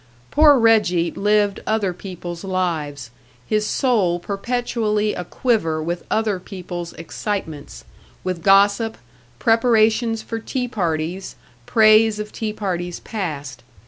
Poor Reggie lived other people's lives, his soul perpetually a quiver with other people's excitements, with gossip, preparations for tea parties, praise of tea parties past.